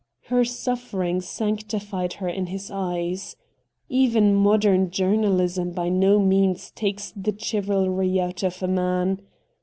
Her suffering sanctified her in his eyes. Even modern journaHsm by no means takes the chivalry out of a man.